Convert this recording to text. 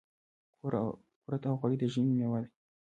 کورت او غوړي د ژمي مېوه ده .